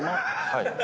はい。